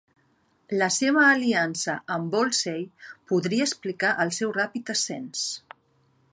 La seva aliança amb Wolsey podria explicar el seu ràpid ascens.